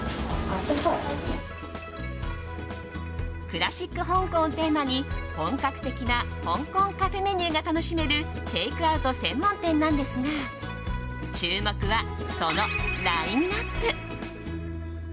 クラシック香港をテーマに本格的な香港カフェメニューが楽しめるテイクアウト専門店なんですが注目は、そのラインアップ。